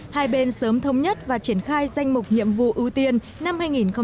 hai bên sớm thống nhất và triển khai danh mục nhiệm vụ ưu tiên năm hai nghìn hai mươi